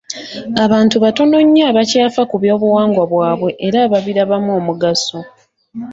Abantu batono nnyo abakyafa ku by'obuwangwa bwabwe era ababirabamu omugaso.